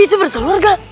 itu berseluruh kak